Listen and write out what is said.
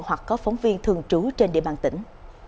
hoặc có phóng viên thường trú trên địa bàn tỉnh